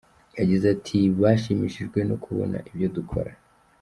Yagize ati “Bashimishijwe no kubona ibyo dukora.